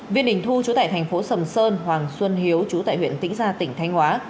viên đình thu chú tại thành phố sầm sơn hoàng xuân hiếu chú tại huyện tĩnh gia tỉnh thanh hóa